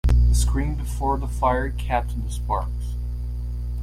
The screen before the fire kept in the sparks.